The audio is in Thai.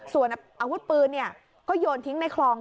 ส่วนอาวุธปืนก็โยนทิ้งในคลอง